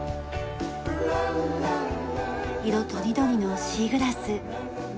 色とりどりのシーグラス。